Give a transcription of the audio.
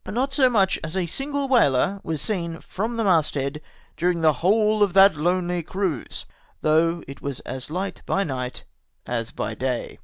Not so much as a single wdialer was seen from the mast head during the whole of that lonely cruise, though it was as hght by night as by day.